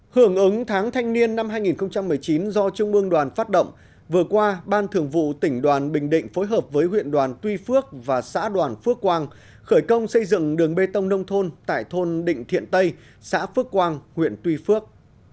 hưởng ứng tháng thanh niên năm hai nghìn một mươi chín do trung ương đoàn phát động vừa qua ban thường vụ tỉnh đoàn bình định phối hợp với huyện đoàn tuy phước và xã đoàn phước quang khởi công xây dựng đường bê tông nông thôn tại thôn định thiện tây xã phước quang huyện tuy phước